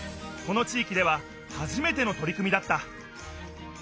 この地いきでははじめてのとり組みだった。